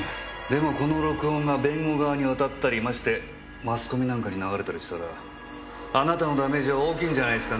でもこの録音が弁護側に渡ったりましてマスコミなんかに流れたりしたらあなたのダメージは大きいんじゃないですかね？